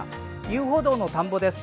遊歩道の田んぼです。